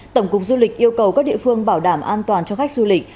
tổng cục du lịch yêu cầu các địa phương bảo đảm an toàn cho khách du lịch